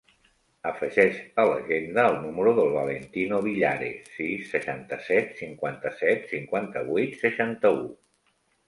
Afegeix a l'agenda el número del Valentino Villares: sis, seixanta-set, cinquanta-set, cinquanta-vuit, seixanta-u.